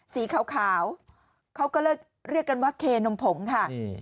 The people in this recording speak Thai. สีขาวเขาก็เรียกเรียกกันว่าเคนมผงค่ะ